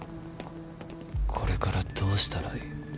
これからどうしたらいい？